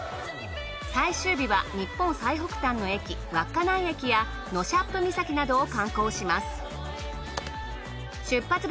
最終日は日本最北端の駅稚内駅やノシャップ岬などを観光します。